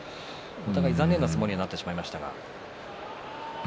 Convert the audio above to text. お互いちょっと残念な相撲になってしまいました。